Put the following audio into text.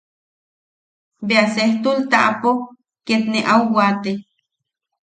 Bea sejtul taʼapo ket ne au waate.